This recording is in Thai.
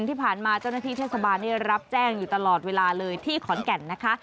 ที่ผ่านมาเจ้าหน้าที่เทศบาลรับแจ้งอยู่ตลอดเวลาเลยที่ขอนแก่นนะคะ